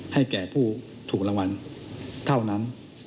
ให้แก่ผู้ถูกรางวัลเท่านั้น